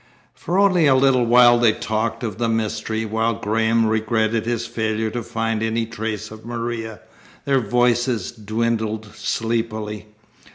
For only a little while they talked of the mystery. While Graham regretted his failure to find any trace of Maria, their voices dwindled sleepily.